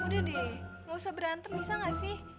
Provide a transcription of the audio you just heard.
udah deh gak usah berantem bisa nggak sih